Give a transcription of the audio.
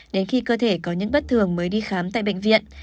đến khi cơ thể có những bất thường mới đi khám tại bệnh viện